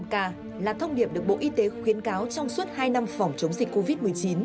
một ca là thông điệp được bộ y tế khuyến cáo trong suốt hai năm phòng chống dịch covid một mươi chín